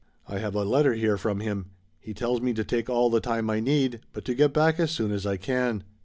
I have a letter here from him. He tells me to take all the time I need, but to get back as soon as I can.